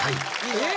えっ？